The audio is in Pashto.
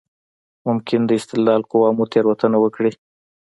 ممکن د استدلال قوه مو تېروتنه وکړي.